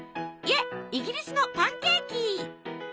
いえイギリスのパンケーキ！